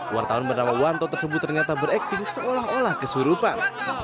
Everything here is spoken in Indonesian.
wartawan bernama wanto tersebut ternyata berakting seolah olah kesurupan